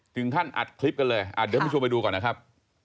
ถึงขั้นอัดคลิปกันเลยเดี๋ยวผู้ชมไปดูก่อนนะครับ